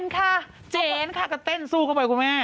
เจนค่ะเจนค่ะกระเต้นสู้เข้าไปกับแม่